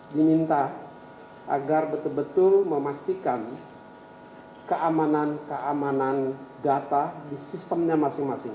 diminta agar betul betul memastikan keamanan keamanan data di sistemnya masing masing